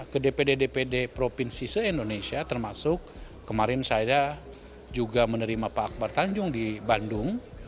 ke dpd dpd provinsi se indonesia termasuk kemarin saya juga menerima pak akbar tanjung di bandung